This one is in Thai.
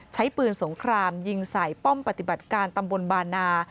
ใช้ปืนสงครามยิงใส่ป้อมปฏิบัติการตำบลบานา